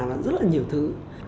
và rất là nhiều thứ